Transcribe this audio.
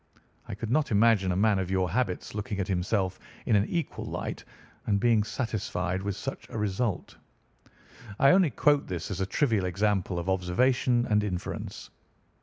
I could not imagine a man of your habits looking at himself in an equal light and being satisfied with such a result. I only quote this as a trivial example of observation and inference.